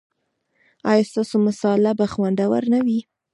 ایا ستاسو مصاله به خوندوره نه وي؟